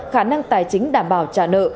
khả năng tài chính đảm bảo trả nợ